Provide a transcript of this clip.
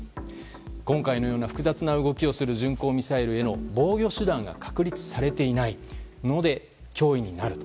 今回のような複雑な動きをする巡航ミサイルへの防御手段が確立されていないので脅威になると。